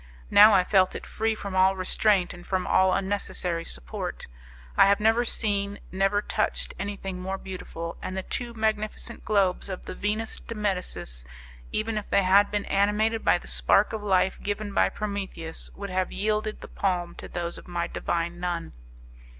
Now I felt it free from all restraint and from all unnecessary support; I have never seen, never touched, anything more beautiful, and the two magnificent globes of the Venus de Medicis, even if they had been animated by the spark of life given by Prometheus, would have yielded the palm to those of my divine nun.